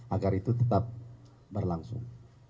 agar itu tetap berlangsung